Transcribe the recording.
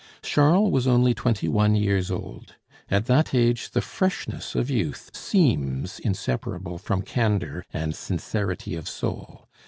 Charles was only twenty one years old. At that age the freshness of youth seems inseparable from candor and sincerity of soul.